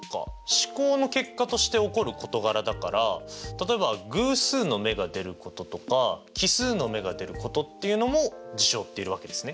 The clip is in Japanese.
試行の結果として起こることがらだから例えば偶数の目が出ることとか奇数の目が出ることっていうのも事象って言えるわけですね。